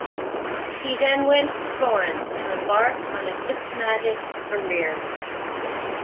He then went to Florence to embark on a diplomatic career.